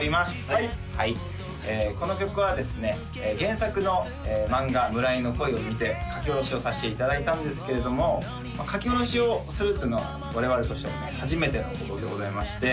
はいこの曲はですね原作のマンガ「村井の恋」を見て書き下ろしをさせていただいたんですけれども書き下ろしをするっていうのは我々としてもね初めてのことでございまして・